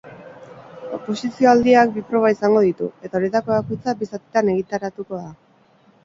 Oposizio-aldiak bi proba izango ditu, eta horietako bakoitza bi zatitan egituratuko da.